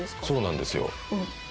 そうなんですよ